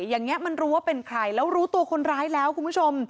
อย่างนี้มันรู้ว่าเป็นใครแล้วรู้ตัวคนร้ายแล้วคุณผู้ชม